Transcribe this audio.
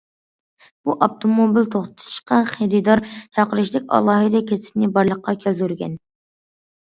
بۇ، ئاپتوموبىل توختىتىشقا خېرىدار چاقىرىشتەك ئالاھىدە كەسىپنى بارلىققا كەلتۈرگەن.